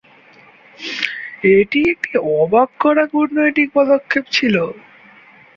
এটি একটি অবাক করা কূটনৈতিক পদক্ষেপ ছিল।